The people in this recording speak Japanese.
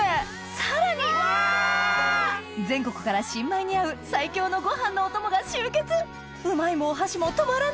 さらに全国から新米に合う最強のご飯のお供が集結「うまい」もお箸も止まらない！